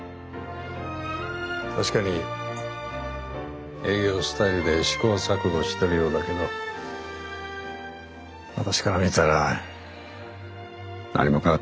確かに営業スタイルで試行錯誤しているようだけど私から見たら何も変わってない。